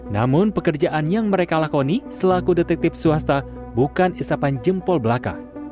namun pekerjaan yang mereka lakoni selaku detektif swasta bukan isapan jempol belaka